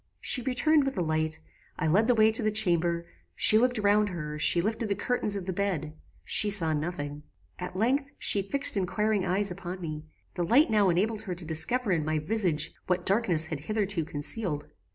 "She returned with a light; I led the way to the chamber; she looked round her; she lifted the curtain of the bed; she saw nothing. "At length, she fixed inquiring eyes upon me. The light now enabled her to discover in my visage what darkness had hitherto concealed.